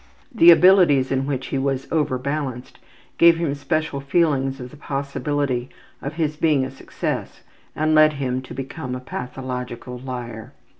The abilities in which he was overbalanced gave him special feelings of the possibility of his being a success and led him to become a pathological liar.